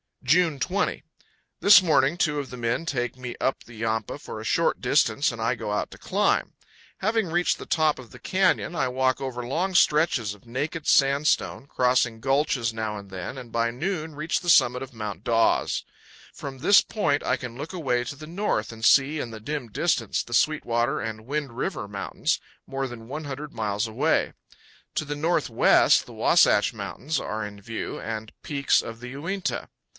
June 20. This morning two of the men take me up the Yampa for a short distance, and I go out to climb. Having reached the top of FROM ECHO PARK TO THE MOUTH OF UINTA RIVER. 171 the canyon, I walk over long stretches of naked sandstone, crossing gulches now and then, and by noon reach the summit of Mount Dawes. From this point I can look away to the north and see in the dim distance the Sweetwater and Wind River mountains, more than 100 miles away. To the northwest the Wasatch Mountains are in view, and peaks of the Uinta.